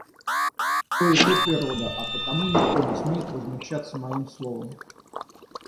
То и то природа, а потому никто не смеет возмущаться моим словом.